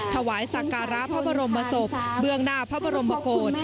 ถวายสักการะพระบรมศพเบื้องหน้าพระบรมโกศ